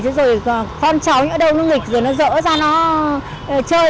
chứ rồi con cháu ở đâu nó nghịch rồi nó rỡ ra nó chơi